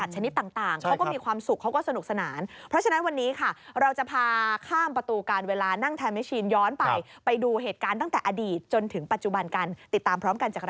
ชอบไปไหมชอบสิหลายคนชอบ